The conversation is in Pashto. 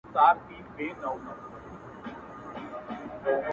هغې کافري په ژړا کي راته وېل ه ـ